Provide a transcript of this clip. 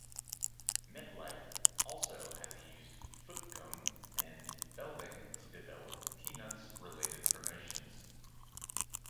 MetLife also has used Foote Cone and Belding to develop Peanuts-related promotions.